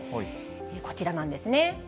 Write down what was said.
こちらなんですね。